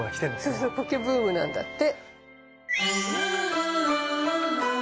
そうそコケブームなんだって。